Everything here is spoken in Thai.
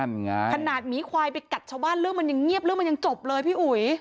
ขนาดหมีควายไปกัดชาวบ้านเรื่องมันยังเงียบเรื่องมันยังจบเลยพี่อุ๋ย